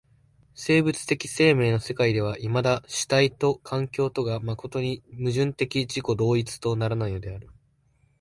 生物的生命の世界ではいまだ主体と環境とが真に矛盾的自己同一とならないのである。